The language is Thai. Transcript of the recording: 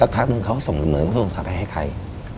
พักหนึ่งเขาส่งมืออย่างนั้นถามไปให้ใคร